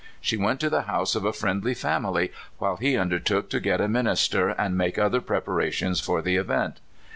She went to the house of a friendly family, while he undertook to get a min ister and make other preparations for the event.